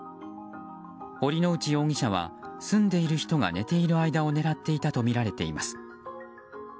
堀之内容疑者は住んでいる人が寝ている間を狙っていたとみられています。